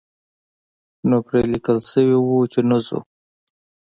نو پرې لیکل شوي وو چې نه ځو.